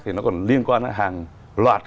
thì nó còn liên quan đến hàng loạt